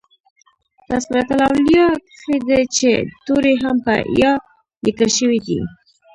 " تذکرةالاولیاء" کښي د "چي" توری هم په "ي" لیکل سوی دئ.